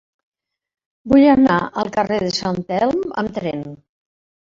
Vull anar al carrer de Sant Elm amb tren.